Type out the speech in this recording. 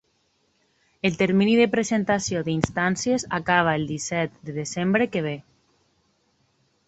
El termini de presentació d’instàncies acaba el disset de desembre que ve.